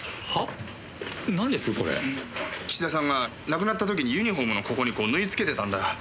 岸田さんが亡くなった時にユニホームのここにこう縫いつけてたんだ。